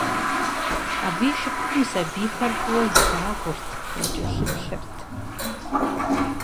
Абы и шыпхъум и сабийхэр фӀыуэ илъагъурт, якӀэлъыплъырт.